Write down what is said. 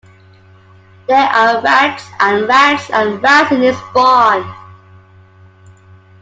There are rats, and rats, and rats in his barn!